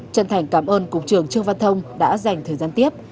chân thành cảm ơn cục trưởng trương văn thông đã dành thời gian tiếp